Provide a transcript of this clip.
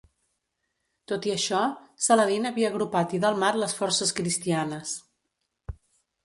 Tot i això, Saladin havia agrupat i delmat les forces cristianes.